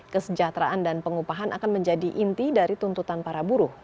kesejahteraan dan pengupahan akan menjadi inti dari tuntutan para buruh